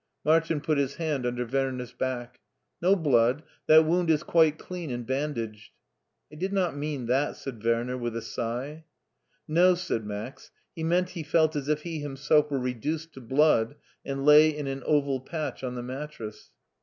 Martin put his hand tmder Werner's back. "No blood; that wound is quite clean and bandaged." I did not mean that/* said Werner with a sigh. No/' said Max, " he meant he felt as if he himself were reduced to blood and lay in an oval patch on the mattress."